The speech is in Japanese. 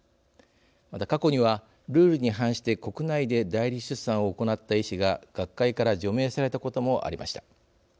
また過去にはルールに反して国内で代理出産を行った医師が学会から除名されたこともありました。